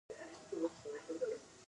اوښ د افغانستان د جغرافیوي تنوع مثال دی.